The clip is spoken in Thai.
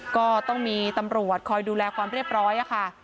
ก็ต้องมีตำรวจคอยดูแลความเรียบร้อยค่ะ